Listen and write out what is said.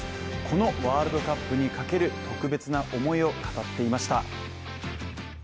このワールドカップにかける特別な思いを語っていました。